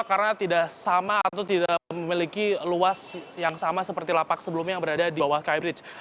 karena tidak sama atau tidak memiliki luas yang sama seperti lapak sebelumnya di bawah sky bridge